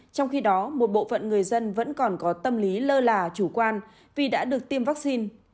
trong khi đó một bộ phận người dân vẫn còn có tâm lý lơ là chủ quan vì đã được tiêm vaccine